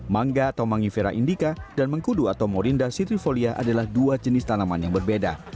mangga atau manggifera indica dan mengkudu atau morinda sitrifolia adalah dua jenis tanaman yang berbeda